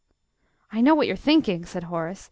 "I know what you're thinking," said Horace.